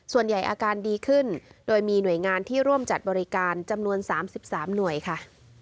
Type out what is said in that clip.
อาการดีขึ้นโดยมีหน่วยงานที่ร่วมจัดบริการจำนวน๓๓หน่วยค่ะ